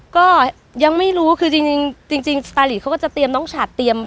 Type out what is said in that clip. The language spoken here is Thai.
ก็ยังไม่รู้คือจริงสตาลีเขาก็จะเตรียมน้องฉัดเตรียม